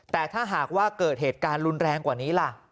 แต่ถ้าหากว่าเกิดเหตุการณ์รุนแรงกว่านี้ล่ะ